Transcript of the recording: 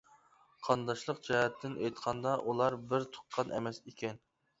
قانداشلىق جەھەتتىن ئېيتقاندا ئۇلار بىر تۇغقان ئەمەس ئىكەن.